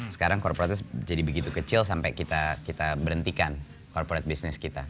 sekarang korporatnya jadi begitu kecil sampai kita berhentikan korporat bisnis kita